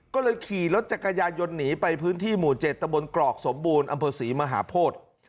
ก็เลยขี่รถจักรยานยนต์หนีไปพื้นที่หมู่๗ตะบนกรอกสมบูรณ์อำเภอศรีมหาโพธิ